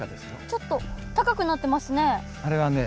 ちょっと高くなってますね。